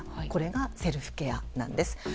これがセルフケアなんです。